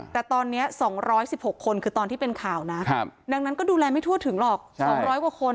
แต่ตอนนี้๒๑๖คนคือตอนที่เป็นข่าวนะดังนั้นก็ดูแลไม่ทั่วถึงหรอก๒๐๐กว่าคน